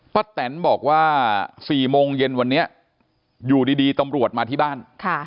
แตนบอกว่า๔โมงเย็นวันนี้อยู่ดีตำรวจมาที่บ้าน